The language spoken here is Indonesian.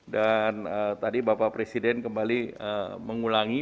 dan tadi bapak presiden kembali mengulangi